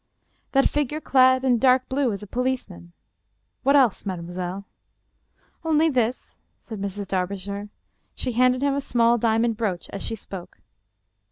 "That figure clad in dark blue is a policeman. What else, mademoiselle ?"" Only this," said Mrs. Darbishire. She handed him a small diamond brooch as she spoke.